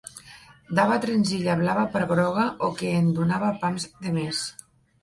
Dava trenzilla blava per groga o que en donava pams de més